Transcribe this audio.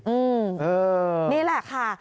อืมนี่แหละค่ะ